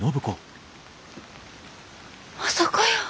まさかやー。